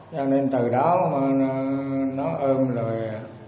cho nên từ đó nó ôm lời